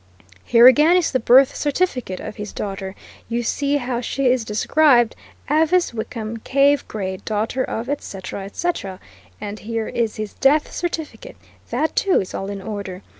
Here, again, is the birth certificate of his daughter. You see how she is described Avice Wickham Cave Gray, daughter of, et cetera, et cetera. And here is his death certificate that too is all in order.